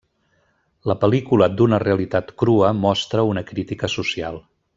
La pel·lícula d'una realitat crua mostra una crítica social.